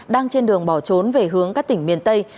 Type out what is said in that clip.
đang trên đường bỏ trốn về hướng các tỉnh miền tây